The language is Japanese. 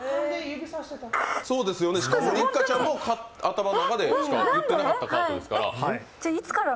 六花ちゃんも頭の中でしか言ってなかったカードですから。